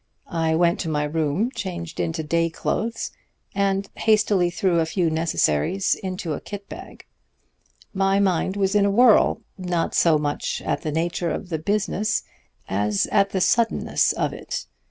I went to my room, changed into day clothes, and hastily threw a few necessaries into a kit bag. My mind was in a whirl, not so much at the nature of the business as at the suddenness of it.